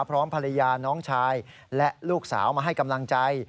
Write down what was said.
พร้อมภรรยาน้องชายและลูกสาวมาให้กำลังใจ